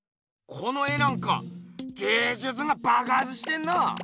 この絵なんか芸術がばくはつしてんな！